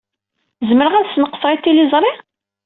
Zemreɣ ad as-sneqseɣ i tliẓri?